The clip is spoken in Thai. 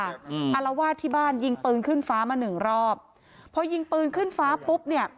อารวาสที่บ้านยิงปืนขึ้นฟ้ามาหนึ่งรอบพอยิงปืนขึ้นฟ้าปุ๊บเนี่ย